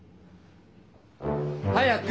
早く！